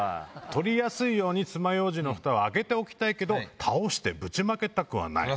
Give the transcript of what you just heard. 取りやすいように爪楊枝のフタを開けておきたいけど倒してぶちまけたくはない。